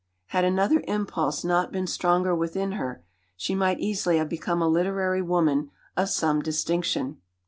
Had another impulse not been stronger within her, she might easily have become a literary woman of some distinction.